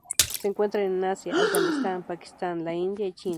Se encuentran en Asia: Afganistán, Pakistán, la India y China.